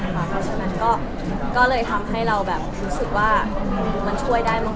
เพราะฉะนั้นก็เลยทำให้เราแบบรู้สึกว่ามันช่วยได้มั้